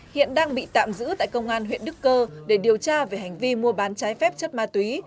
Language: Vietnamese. hiện đang bị tạm giữ tại công an huyện đức cơ để điều tra về hành vi mua bán trái phép chất ma túy